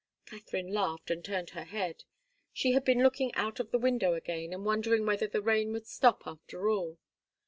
Katharine laughed and turned her head. She had been looking out of the window again and wondering whether the rain would stop after all.